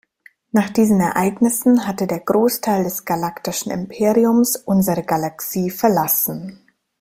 Nach diesen Ereignissen hatte der Großteil des Galaktischen Imperiums unsere Galaxie verlassen.